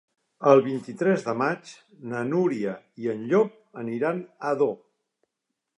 El vint-i-tres de maig na Núria i en Llop aniran a Ador.